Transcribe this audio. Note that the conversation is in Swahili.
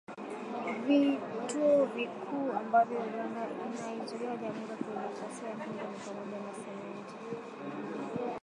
Vitu vikuu ambavyo Uganda inaiuzia Jamhuri ya Kidemokrasia ya Kongo ni pamoja na Simenti